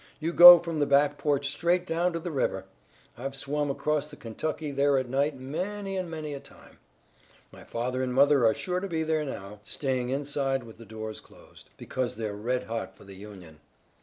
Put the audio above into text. You go from the back porch straight down to the river. I've swum across the Kentucky there at night many and many a time. My father and mother are sure to be there now, staying inside with the doors closed, because they're red hot for the Union.